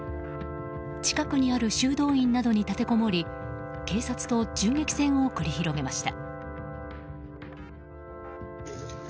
近くにある修道院などに立てこもり警察と銃撃戦を繰り広げました。